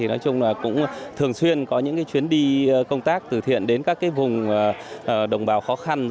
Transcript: nói chung là cũng thường xuyên có những chuyến đi công tác từ thiện đến các vùng đồng bào khó khăn